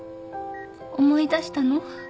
思い出したの？